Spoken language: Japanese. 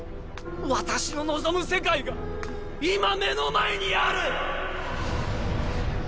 私の望む世界が今目の前にある！